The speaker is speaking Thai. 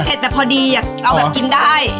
เผ็ดแต่พอดีอยากเอากินได้